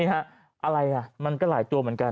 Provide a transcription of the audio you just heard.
อะไรอ่ะมันก็หลายตัวเหมือนกัน